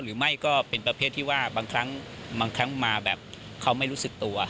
หรือไม่ก็เป็นประเภทที่ว่าบางครั้งบางครั้งมาแบบเขาไม่รู้สึกตัว